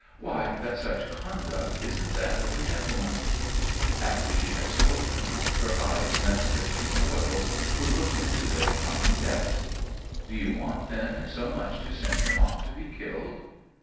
" Why, that such conduct isn't that of a gentleman I" After she had spoken her eyes met Spen cer Coyle's, who looked into their charm ing depths. " Do you want, then, so much to send him off to be killed